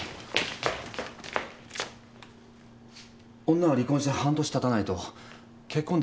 女は離婚して半年たたないと結婚できないんだった。